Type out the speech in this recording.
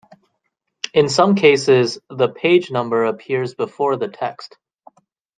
In some cases, the page number appears before the text.